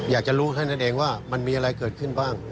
อยากจะรู้แค่นั้นเองว่ามันมีอะไรเกิดขึ้นบ้าง